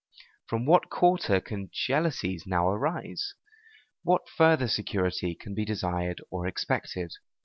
From what quarter can jealousies now arise? What further security can be desired or expected?